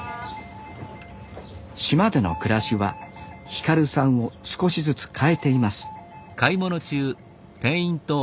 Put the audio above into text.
島での暮らしは輝さんを少しずつ変えています